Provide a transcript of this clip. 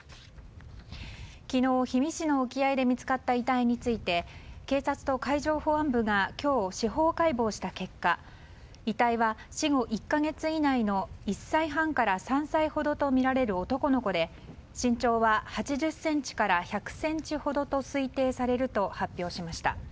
昨日、氷見市の沖合で見つかった遺体について警察と海上保安部が今日、司法解剖した結果遺体は死後１か月以内の１歳半から３歳程とみられる男の子で身長は８０ｃｍから１００ｃｍほどと推定されると発表しました。